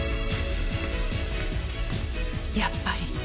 やっぱり。